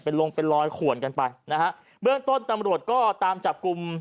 เป็นลงเป็นลอยขวนกันไปนะฮะเบื้องต้นตำรวจก็ตามจับกลุ่ม